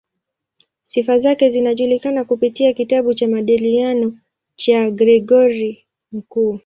Sifa zake zinajulikana kupitia kitabu cha "Majadiliano" cha Gregori Mkuu.